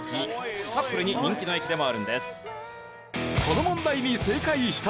カップルに人気の駅でもあるんです。